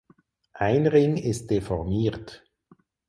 Ein Ring ist deformiert.